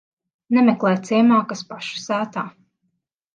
Nemeklē ciemā, kas paša sētā.